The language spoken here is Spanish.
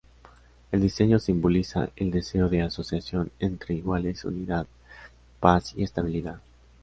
El diseño simboliza el deseo de asociación entre iguales, unidad, paz y estabilidad.